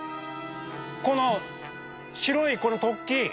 この白いこの突起！